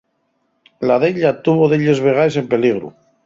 La d'ella tuvo delles vegaes en peligru.